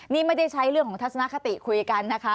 นี่ไม่ได้ใช้เรื่องของทัศนคติคุยกันนะคะ